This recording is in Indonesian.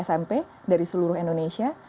smp dari seluruh indonesia